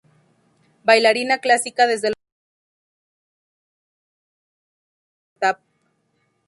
Bailarina clásica desde los cuatro hasta los veinticuatro años, se había especializado en "Tap".